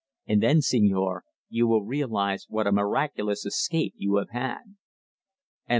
And then, señor, you will realize what a miraculous escape you have had!"